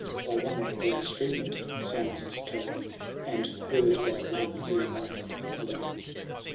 By one poor streamlet sounds its tone, And heard by one dear maid alone.